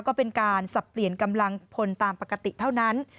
ก็เป็นการสับเปลี่ยนกำลังพลตามปกติเท่านั้น